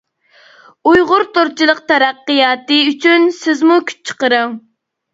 ئۇيغۇر تورچىلىق تەرەققىياتى ئۈچۈن سىزمۇ كۈچ چىقىرىڭ!